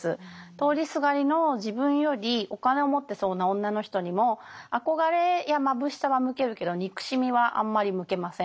通りすがりの自分よりお金を持ってそうな女の人にも憧れやまぶしさは向けるけど憎しみはあんまり向けません。